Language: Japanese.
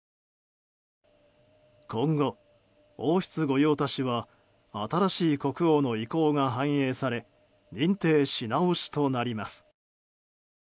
今後、王室御用達は新しい国王の意向が反映され認定し直しとなります。